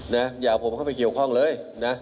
อย่าเอาผมเข้าไปเกี่ยวข้องเลยนะ